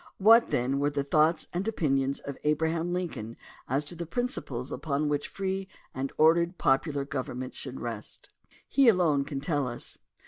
What, then, were the thoughts and opinions of Abraham Lincoln as to the principles upon which free and ordered popular government should rest? He alone can tell us.